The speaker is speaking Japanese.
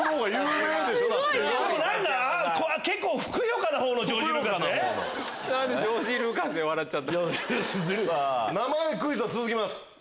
名前クイズは続きます。